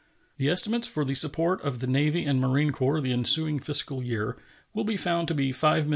The estimates for the support of the Navy and Marine Corps the ensuing fiscal year will be found to be $5,856,472.